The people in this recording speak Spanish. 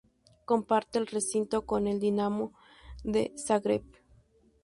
Comparte el recinto con el Dinamo de Zagreb.